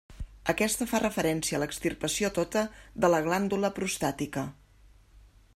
Aquesta fa referència a l'extirpació tota de la glàndula prostàtica.